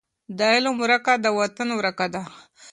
د علم ورکه د وطن ورکه ده.